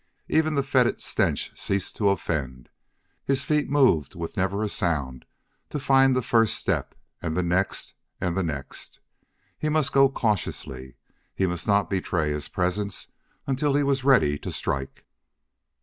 Even the fetid stench ceased to offend. His feet moved with never a sound to find the first step and the next and the next. He must go cautiously; he must not betray his presence until he was ready to strike.